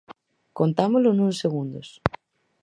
Contámolo nuns segundos.